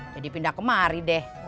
jadi pindah kemari deh